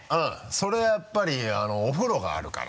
それはやっぱりお風呂があるから。